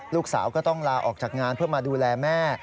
ลูกสาวก็ต้องลาออกจากงานเพื่อมาดูแลแม่